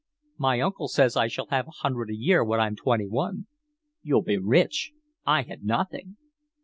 "My uncle says I shall have a hundred a year when I'm twenty one." "You'll be rich. I had nothing."